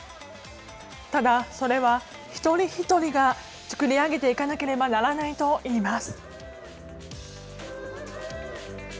ただ、それは一人一人が作り上げていかなければならないといいます。